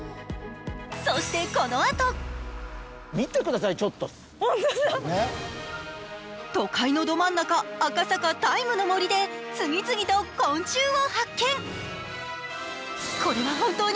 そしてこのあと都会のど真ん中、赤坂「ＴＩＭＥの森」で「やってみようよ、ＳＤＧｓ」